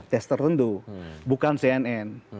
pes tertentu bukan cnn